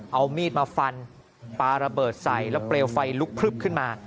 เอามีดมาฟันปลาระเบิดใส่แล้วเปลวไฟลุกพลึบขึ้นมา